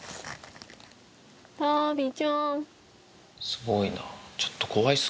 すごいな。